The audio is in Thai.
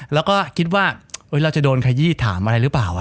แล้วก็คิดว่าเราจะโดนขยี้ถามอะไรหรือเปล่า